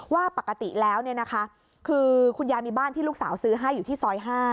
ว่าปกติแล้วคือคุณยายมีบ้านที่ลูกสาวซื้อให้อยู่ที่ซอย๕